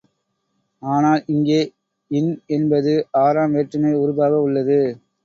ஆனால், இங்கே இன் என்பது, ஆறாம் வேற்றுமை உருபாக உள்ளது.